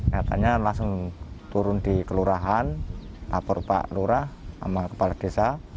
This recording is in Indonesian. nyatanya langsung turun di kelurahan lapor pak lurah sama kepala desa